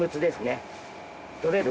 取れる？